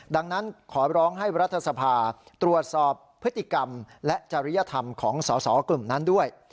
ดังนั้นขอร้องให้รัฐสภาตรวจสอบพฤติกรรมและจริยธรรมของสอสอกลุ่มนั้นด้วย